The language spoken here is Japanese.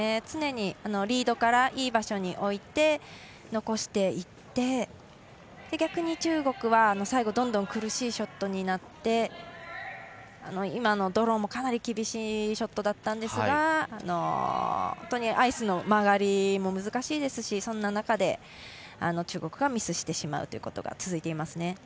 常にリードからいい場所に置いて残していって逆に中国は最後、どんどん苦しいショットになって今のドローもかなり厳しいショットだったんですが本当にアイスの曲がりも難しいですしそんな中で中国がミスしてしまうことが続いていますね。